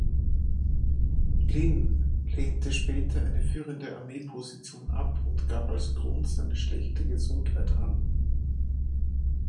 Lin lehnte später eine führende Armeeposition ab und gab als Grund seine schlechte Gesundheit an.